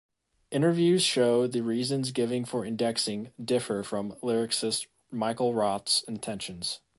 Interviews show the reasons giving for indexing differ from lyricist Michael Roth's intentions.